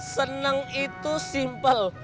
seneng itu simpel